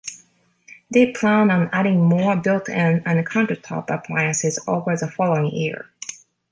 They plan on adding more built-in and countertop appliances over the following year.